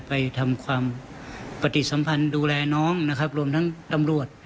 ไปทำความปฏิสัมพันธ์ดูแลน้องนะครับรวมทั้งตำรวจ